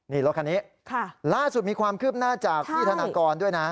นี่รถคันนี้ล่าสุดมีความคืบหน้าจากพี่ธนากรด้วยนะ